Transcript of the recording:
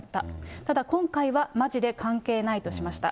ただ今回はまじで関係ないとしました。